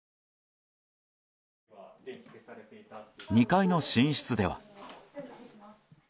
２階の寝室では。